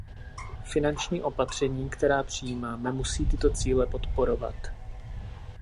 Finanční opatření, která přijímáme, musí tyto cíle podporovat.